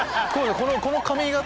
この髪形